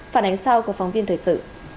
phản ánh sau của phóng viên thời sự